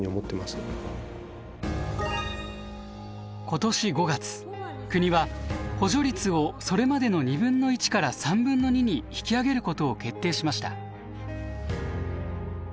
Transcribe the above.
今年５月国は補助率をそれまでの２分の１から３分の２に引き上げることを決定しました。